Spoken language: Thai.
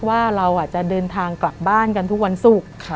ว่าเราจะเดินทางกลับบ้านกันทุกวันศุกร์